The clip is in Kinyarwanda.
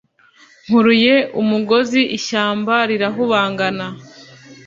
Nkuruye umugozi ishyamba rirahubangana